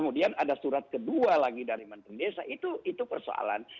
ada surat kedua lagi dari menteri desa itu persoalan